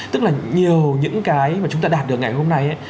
tức là nhiều những cái mà chúng ta đạt được ngày hôm nay